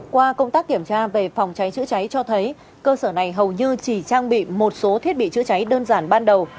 qua công tác kiểm tra về phòng cháy chữa cháy cho thấy cơ sở này hầu như chỉ trang bị một số thiết bị chữa cháy đơn giản ban đầu